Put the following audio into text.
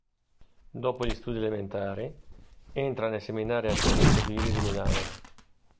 Dopo gli studi elementari, entra nei seminari arcivescovili di Milano.